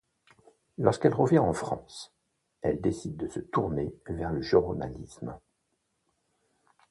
Lorsqu'elle revient en France, elle décide de se tourner vers le journalisme.